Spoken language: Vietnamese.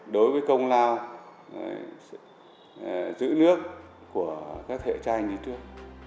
đối với công lao giữ nước của các thế hệ trai như trước